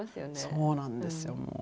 そうなんですよもう。